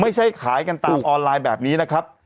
ไม่ใช่ขายกันตามออนไลน์แบบนี้นะครับ